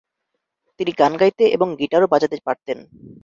তিনি গান গাইতে এবং গীটারও বাজাতে পারতেন।